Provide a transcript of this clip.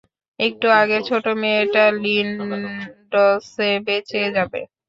একটু আগের ছোট্ট মেয়েটা, লিন্ডসে বেঁচে যাবে।